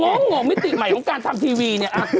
อะไรนี่กล้องมิติใหม่ของการทำทีวีนี่